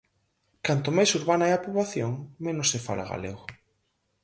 Canto máis urbana é a poboación menos se fala galego.